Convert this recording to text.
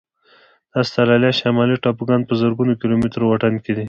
د استرالیا شمالي ټاپوګان په زرګونو کيلومتره واټن کې دي.